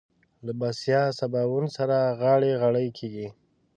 له بسيا سباوون سره غاړه غړۍ کېږي.